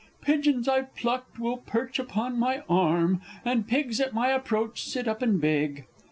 _ Pigeons I've plucked will perch upon my arm, And pigs at my approach sit up and beg.